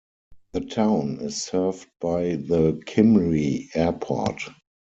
The town is served by the Kimry Airport.